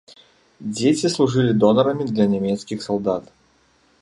Дзеці служылі донарамі для нямецкіх салдат.